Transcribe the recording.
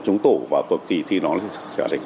chúng tổ và cuộc kỳ thi nó sẽ